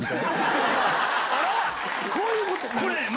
こういうことや。